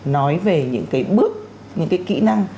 nói về những cái bước những cái kỹ năng